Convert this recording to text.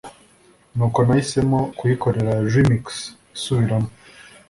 ni uko nahisemo kuyikorera remix (isubiramo)